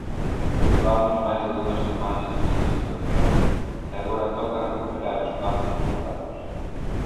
Levamos máis de dúas semanas nesta situación e agora toca recuperar espazos vetados.